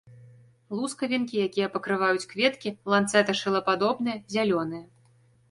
Лускавінкі, якія пакрываюць кветкі, ланцэта-шылападобныя, зялёныя.